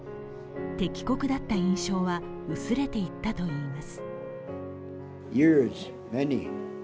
敵国だった印象は薄れていったといいます。